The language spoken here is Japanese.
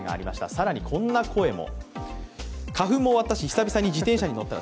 更に、こんな声も。